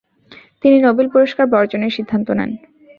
তিনি নোবেল পুরস্কার বর্জনের সিদ্ধান্ত নেন।